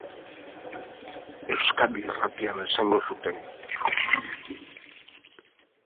Horixe baieztatu du erakundearen zuzendariak hedabide bakan batzuen aurrean.